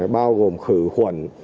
bao gồm khử khuẩn